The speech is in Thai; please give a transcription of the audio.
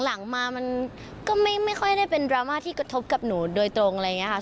หลังมามันก็ไม่ค่อยได้เป็นดราม่าที่กระทบกับหนูโดยตรงอะไรอย่างนี้ค่ะ